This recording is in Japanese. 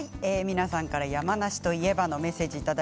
皆さんから山梨といえばというメッセージです。